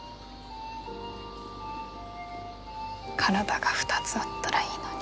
体が２つあったらいいのに。